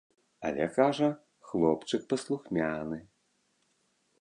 Але, кажа, хлопчык паслухмяны.